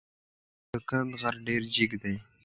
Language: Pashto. د کند غر ډېر جګ دی.